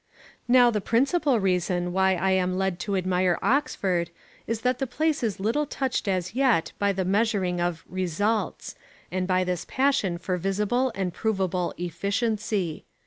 Now the principal reason why I am led to admire Oxford is that the place is little touched as yet by the measuring of "results," and by this passion for visible and provable "efficiency."